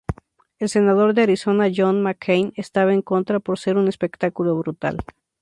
El senador de Arizona John McCain estaba en contra por ser un "espectáculo brutal".